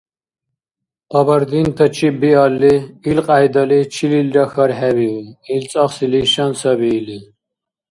Къабардинтачиб биалли, илкьяйдали чилилра хьархӀебиу, ил цӀахси лишан саби или.